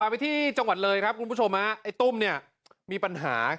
ไปที่จังหวัดเลยครับคุณผู้ชมฮะไอ้ตุ้มเนี่ยมีปัญหา